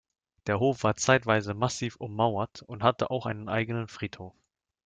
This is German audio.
Der Hof war zeitweise massiv ummauert und hatte auch einen eigenen Friedhof.